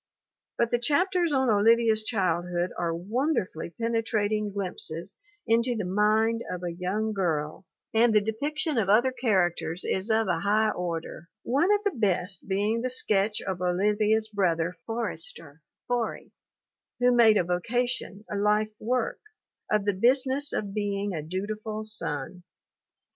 But the chapters on Olivia's childhood are wonderfully penetrating glimpses into the mind of a young girl and the depiction of other characters is of a high order; one of the best being the sketch of Olivia's brother, Forester, "Forrie," who made a voca tion, a life work, of the business of being a dutiful son.